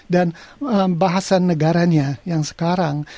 dan bahasa negaranya yang sekarang